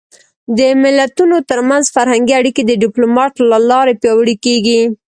د ملتونو ترمنځ فرهنګي اړیکې د ډيپلومات له لارې پیاوړې کېږي.